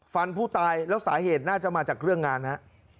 ฟันผู้ตายแล้วสาเหตุน่าจะมาจากเรื่องงานฮะ